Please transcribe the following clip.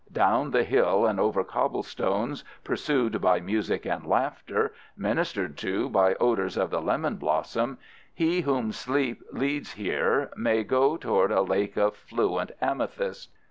Down the hill and over cobblestones, pursued by music and laughter, ministered to by odors of the lemon blossom, he whom sleep leads here may go toward a lake of fluent amethyst.